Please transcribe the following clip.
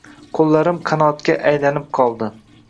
Qo’llarim qanotga aylanib qoldi.